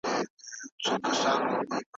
که کوم خاوند ته خپلي مېرمني لور ور وزيږوله.